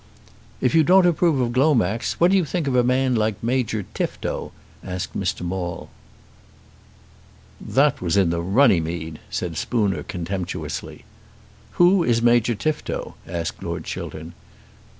"If you don't approve of Glomax, what do you think of a man like Major Tifto?" asked Mr. Maule. "That was in the Runnymede," said Spooner contemptuously. "Who is Major Tifto?" asked Lord Chiltern.